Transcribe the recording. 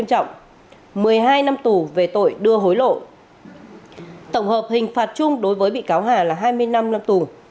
tổng hợp hình phạt chung đối với bị cáo hà là hai mươi năm năm tù